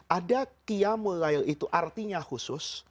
ada qiyamul lail itu artinya khusus